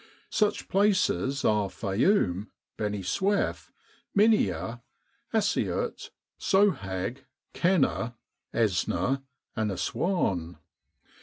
Such places are Fayoum, Beni Suef, Minia, Assiut, Sohag, Kena, Esna, and Assuan.